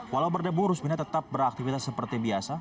walau berdebu rusmina tetap beraktivitas seperti biasa